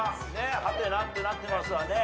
ハテナってなってますわね。